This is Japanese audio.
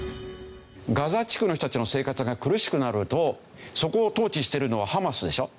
ガザ地区の人たちの生活が苦しくなるとそこを統治しているのはハマスでしょ？